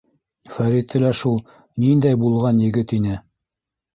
Фәрите лә шул, ниндәй булған егет ине.